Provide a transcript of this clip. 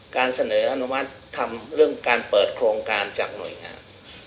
การเสนออนุมัติทำเรื่องการเปิดโครงการจากหน่วยงาน